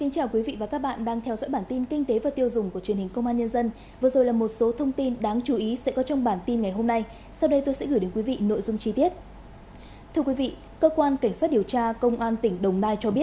các bạn hãy đăng ký kênh để ủng hộ kênh của chúng mình nhé